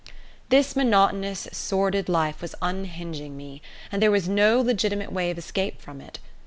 This monotonous sordid life was unhinging me, and there was no legitimate way of escape from it.